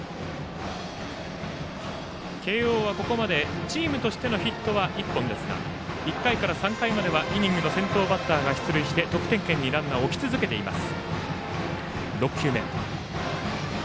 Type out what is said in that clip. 慶応はここまでチームとしてのヒットは１本ですが１回から３回まではイニングの先頭バッターが出塁して、得点圏にランナーを置き続けています。